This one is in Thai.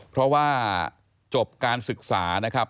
เพราะว่าจบการศึกษานะครับ